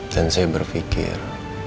dan saya berpikir